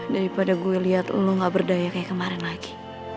daripada gue liat lu gak berdaya kayak kemarin lagi